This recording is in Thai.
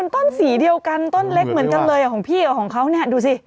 ต้นสีเดียวกันต้นเล็กเหมือนกันเลยของพี่กับของเขาเนี่ยดูสิ